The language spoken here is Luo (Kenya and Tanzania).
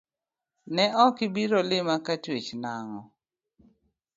Ne ok ibiro lima katuech nango?